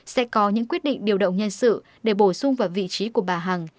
sẽ có những quyết định điều động nhân sự để bổ sung vào vị trí của bà hằng